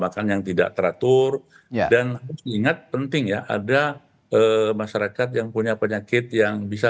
makan yang tidak teratur dan ingat penting ya ada masyarakat yang punya penyakit yang bisa